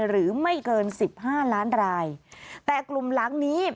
หรือไม่เกินสิบห้าล้านรายแต่กลุ่มหลังนี้